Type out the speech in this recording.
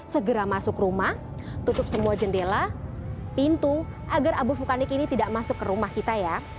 segera masuk rumah tutup semua jendela pintu agar abu vulkanik ini tidak masuk ke rumah kita ya